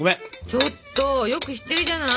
ちょっとよく知ってるじゃない！